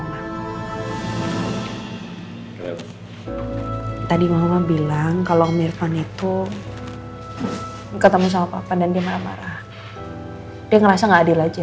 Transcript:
hehehe di sini mau bilang kalau nge weston itu ketemu sapa faktek dia warah wara dia ngerasa nggak